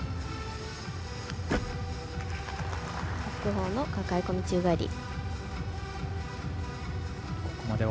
後方のかかえ込み宙返り。